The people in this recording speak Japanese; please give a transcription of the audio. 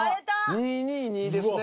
２２２ですね。